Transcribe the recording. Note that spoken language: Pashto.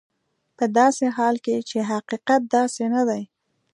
په داسې حال کې چې حقیقت داسې نه دی.